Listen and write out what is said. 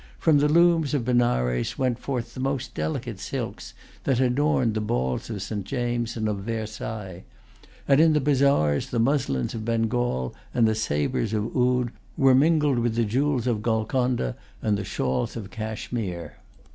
From the looms of Benares went forth the most delicate silks that adorned the balls of St. James's and of Versailles; and, in the bazaars, the muslins of Bengal and the sabres of Oude were mingled with the jewels of Golconda and the shawls of Cashmere.